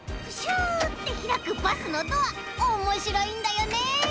プシュッてひらくバスのドアおもしろいんだよね！